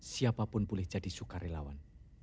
siapapun boleh jadi sukarelawan